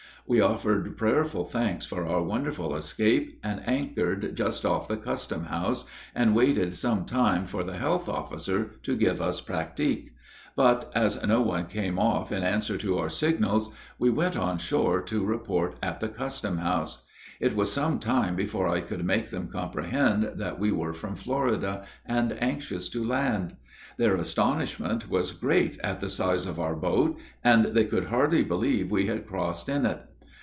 We offered prayful thanks for our wonderful escape, and anchored just off the custom house, and waited some time for the health officer to give us pratique. But as no one came off in answer to our signals, I went on shore to report at the custom house. It was some time before I could make them comprehend that we were from Florida, and anxious to land. Their astonishment was great at the size of our boat, and they could hardly believe we had crossed in it.